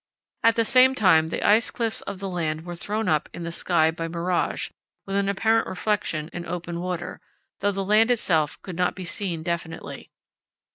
At the same time the ice cliffs of the land were thrown up in the sky by mirage, with an apparent reflection in open water, though the land itself could not be seen definitely.